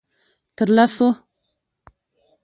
_تر لسو.